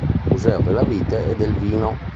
Museo della vite e del vino